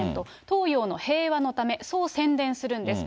東洋の平和のため、そう宣伝するんです。